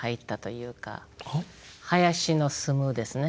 「林」の「住む」ですね。